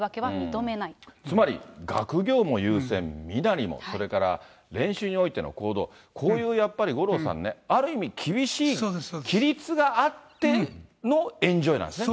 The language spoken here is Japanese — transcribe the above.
つまり学業も優先、身なりも、それから練習においての行動、こういうやっぱり、五郎さんね、ある意味、厳しい規律があってのエンジョイなんですね。